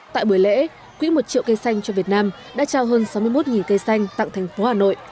tại buổi lễ quỹ một triệu cây xanh cho việt nam đã trao hơn sáu mươi một cây xanh tặng thành phố hà nội